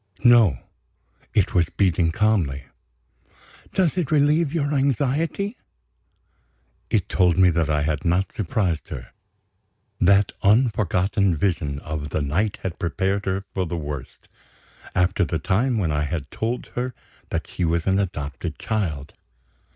No! It was beating calmly. "Does it relieve your anxiety?" It told me that I had not surprised her. That unforgotten Vision of the night had prepared her for the worst, after the time when I had told her that she was an adopted child.